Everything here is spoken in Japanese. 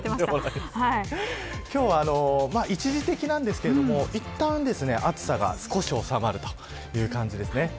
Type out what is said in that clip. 今日は一時的なんですけどいったん暑さが少し収まるという感じです。